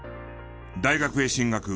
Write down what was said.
大学へ進学。